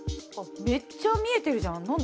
めっちゃ見えてるじゃん。